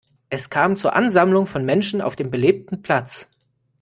Es kam zur Ansammlung von Menschen auf dem belebten Platz.